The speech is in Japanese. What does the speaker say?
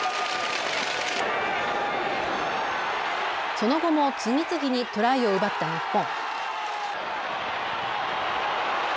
その後も次々にトライを奪った日本。